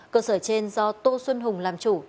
cơ sở trên do tô xuân hùng làm chủ